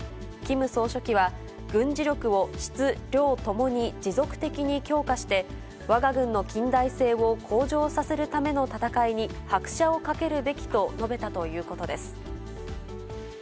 キム総書記は、軍事力を質・量ともに持続的に強化して、わが軍の近代性を向上させるための闘いに拍車をかけるべきと述べたということです。